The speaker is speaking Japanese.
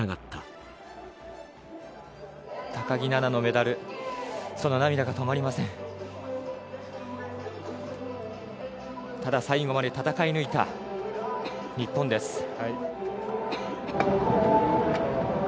ただ、最後まで戦い抜いた日本です。